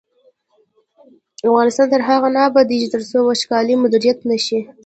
افغانستان تر هغو نه ابادیږي، ترڅو وچکالي مدیریت نشي.